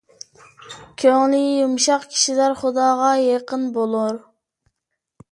كۆڭلى يۇمشاق كىشىلەر خۇداغا يېقىن بولۇر.